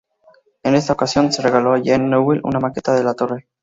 En esta ocasión, se regaló a Jean Nouvel una maqueta de la torre.